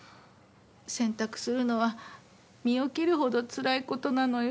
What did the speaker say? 選択するのは身を切るほどつらい事なのよ。